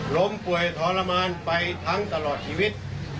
ล้มป่วยทรมานไปทั้งตลอดชีวิต